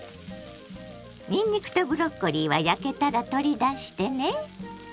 にんにくとブロッコリーは焼けたら取り出してね。